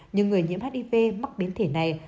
nhưng người nhiễm hiv mắc biến thể này